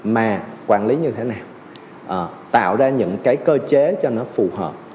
mà quản lý như thế nào tạo ra những cái cơ chế cho nó phù hợp